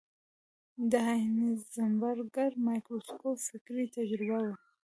د هایزنبرګر مایکروسکوپ فکري تجربه وه.